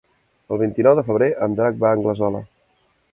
El vint-i-nou de febrer en Drac va a Anglesola.